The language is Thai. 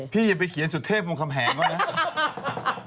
พี่อย่าไปเขียนสุดเทพของคำแหงก่อนนะ